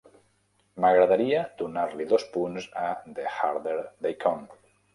M'agradaria donar-li dos punts a "The Harder They Come"